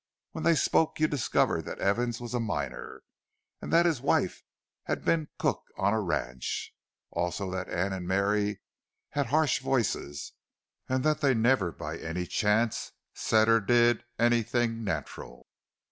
When they spoke, you discovered that Evans was a miner, and that his wife had been cook on a ranch; also that Anne and Mary had harsh voices, and that they never by any chance said or did anything natural.